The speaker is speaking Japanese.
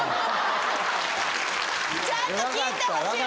ちゃんと聞いてほしいの！